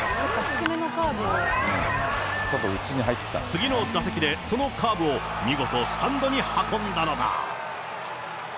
次の打席で、そのカーブを見事、スタンドに運んだのだ。